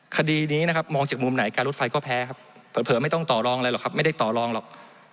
คดีนี้นะครับมองจากมุมไหนการรถไฟก็แพ้ครับเผลอไม่ต้องต่อรองอะไรหรอกครับไม่ได้ต่อรองหรอก